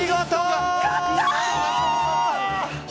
やったー！